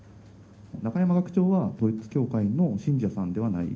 中山学長は、統一教会の信者さんではない？